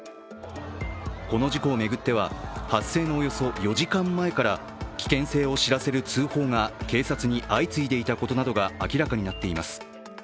この事故を巡っては、発生のおよそ４時間前から危険性を知らせる通報が警察に相次いでいたことなどが明らかになっています。